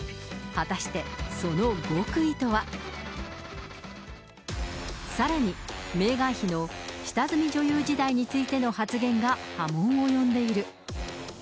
果たしてその極意とは。さらに、メーガン妃の下積み女優時代についての発言が波紋を呼んでいる。